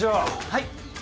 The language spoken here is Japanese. はい。